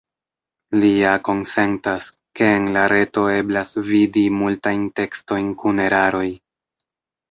Li ja konsentas, ke en la reto eblas vidi multajn tekstojn kun eraroj.